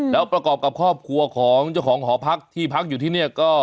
แล้วประกอบกับครอบครัวของเจ้าของหอพักที่พักอยู่ที่นี่ก็